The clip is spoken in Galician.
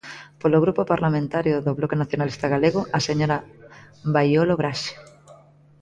Polo Grupo Parlamentario do Bloque Nacionalista Galego, a señora Baiolo Braxe.